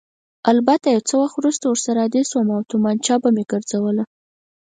البته څه وخت وروسته ورسره عادي شوم او تومانچه به مې ګرځوله.